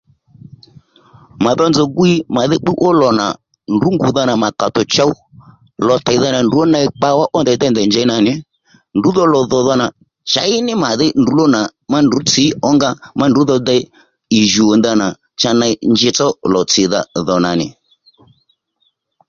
Mà dho nzòw gwiy mà dhí bbúw ó lò nà ndrǔ ngùdha nà mà kà te chow lò tèydha nà kpawa ó ndèy dêy ndèy njěy nà nì ndrǔ dho lò dhò dha nà chěy ní màdhí ndǔló na má ndrǔ tsǐ ǒnga ma ndrǔ dho dey ì jùw ó ndana cha ney njitso lò tsì dha dhò nà nì